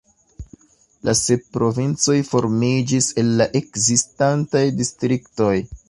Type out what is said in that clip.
La sep provincoj formiĝis el la ekzistantaj distriktoj.